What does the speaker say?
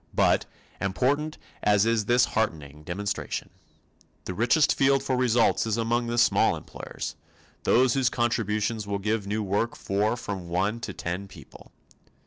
But, important as is this heartening demonstration, the richest field for results is among the small employers, those whose contribution will give new work for from one to ten people.